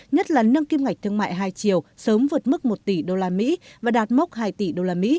nhất là nâng kim ngạch thương mại hai triệu sớm vượt mức một tỷ usd và đạt mốc hai tỷ usd